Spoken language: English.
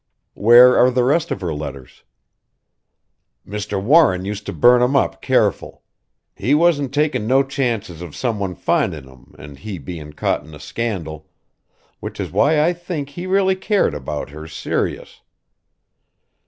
"Where are the rest of her letters?" "Mr. Warren used to burn 'em up careful. He wasn't takin' no chances of someone findin' 'em and he bein' caught in a scandal which is why I think he really cared about her serious.